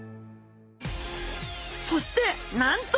そしてなんと！